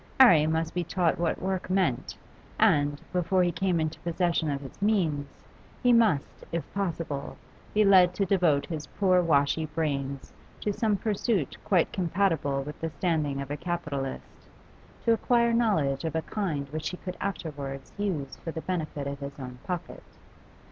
'Arry must be taught what work meant, and, before he came into possession of his means, he must, if possible, be led to devote his poor washy brains to some pursuit quite compatible with the standing of a capitalist, to acquire knowledge of a kind which he could afterwards use for the benefit of his own pocket.